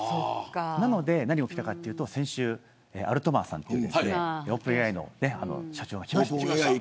なので何が起きたかというと先週、アルトマンさんというオープンＡＩの社長が来ました。